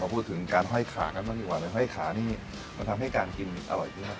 พอพูดถึงการห้อยขานะมันทำให้การกินอร่อยขึ้นไหม